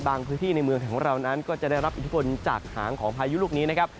พื้นที่ในเมืองของเรานั้นก็จะได้รับอิทธิพลจากหางของพายุลูกนี้นะครับ